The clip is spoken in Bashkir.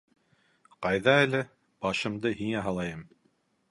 Ҡайҙа әле, башымды һиңә һалайым.